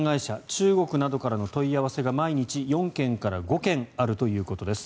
中国からの問い合わせが毎日４件から５件あるということです。